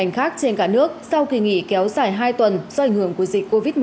các ngành khác trên cả nước sau khi nghỉ kéo dài hai tuần do ảnh hưởng của dịch covid một mươi chín